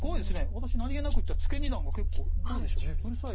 私何気なく言ったツケ二段が結構どうでしょううるさい。